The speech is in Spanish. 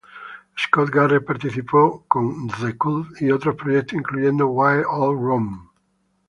Scott Garret participó con The Cult y otros proyectos, incluyendo Wired All Wrong.